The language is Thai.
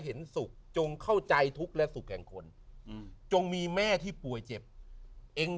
เห็นสุขจงเข้าใจทุกข์และสุขแห่งคนอืมจงมีแม่ที่ป่วยเจ็บเอง